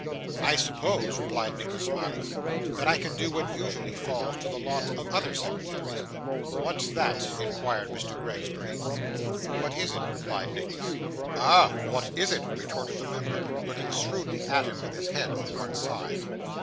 'I suppose,' replied Nicholas, smiling, 'that I can do what usually falls to the lot of other secretaries.' 'What's that?' inquired Mr. Gregsbury. 'What is it?' replied Nicholas. 'Ah! What is it?' retorted the member, looking shrewdly at him, with his head on one side.